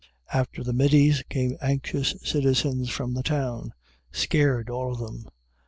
After the middies, came anxious citizens from the town. Scared, all of them.